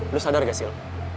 lo sadar gak sil